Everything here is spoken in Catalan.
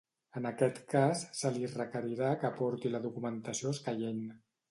En aquest cas, se li requerirà que aporti la documentació escaient.